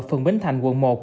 phường bến thành quận một